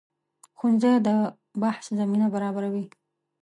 ښوونځی د بحث زمینه برابروي